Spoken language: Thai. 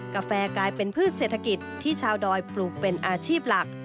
กาแฟกลายเป็นพืชเศรษฐกิจที่ชาวดอยปลูกเป็นอาชีพหลัก